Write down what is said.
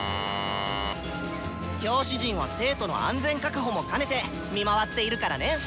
教師陣は生徒の安全確保も兼ねて見回っているからね！」。